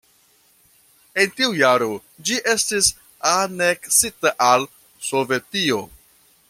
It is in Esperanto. En tiu jaro ĝi estis aneksita al Sovetio.